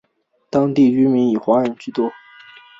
当地居民以华人居多。